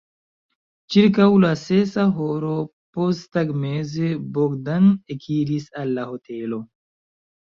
Ĉirkaŭ la sesa horo posttagmeze Bogdan ekiris al la hotelo.